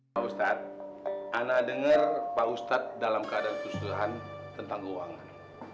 pak ustadz anak denger pak ustadz dalam keadaan keseluruhan tentang keuangan